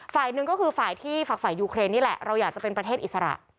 ฝ่ายหนึ่งก็คือฝ่ายที่ฝากฝ่ายยูเครนนี่แหละเราอยากจะเป็นประเทศอิสระ